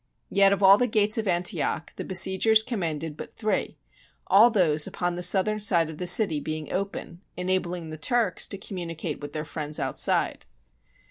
Yet of all the gates of Antioch, the besiegers commanded but three, all those upon the southern side of the city being open, enabling the Turks to communicate with their friends outside.